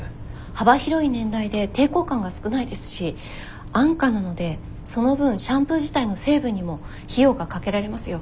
幅広い年代で抵抗感が少ないですし安価なのでその分シャンプー自体の成分にも費用がかけられますよ。